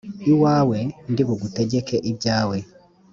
iwawe ndi butegeke ibyawe